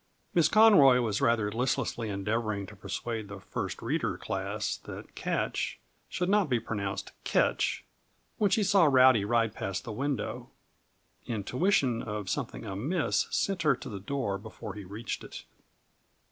Miss Conroy was rather listlessly endeavoring to persuade the First Reader class that "catch" should not be pronounced "ketch," when she saw Rowdy ride past the window. Intuition of something amiss sent her to the door before he reached it.